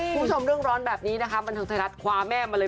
คุณผู้ชมเรื่องร้อนแบบนี้นะคะบันเทิงไทยรัฐคว้าแม่มาเลย